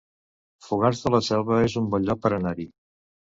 Fogars de la Selva es un bon lloc per anar-hi